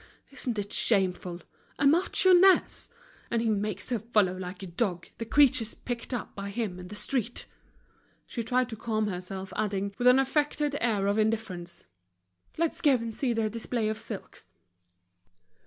Isn't it shameful? A marchioness! And he makes her follow like a dog the creatures picked up by him in the street!" She tried to calm herself, adding, with an affected air of indifference: "Let's go and see their display of silks."